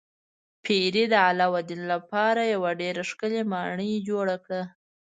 پیري د علاوالدین لپاره یوه ډیره ښکلې ماڼۍ جوړه کړه.